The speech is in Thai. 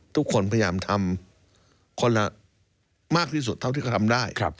ทุกคนพยายามทำคนละมากที่สุดเท่าที่เขาทำได้